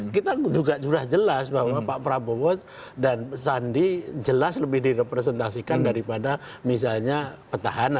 kita juga sudah jelas bahwa pak prabowo dan sandi jelas lebih direpresentasikan daripada misalnya petahana